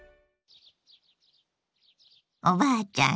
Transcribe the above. おばあちゃん